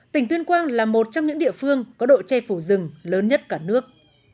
tỉnh tuyên quang là một trong những địa phương có độ che phủ rừng lớn nhất cả nước